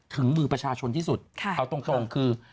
ถึงมือประชาชนที่สุดเอาตรงคือ